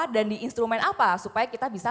dan di instrumen apa supaya kita bisa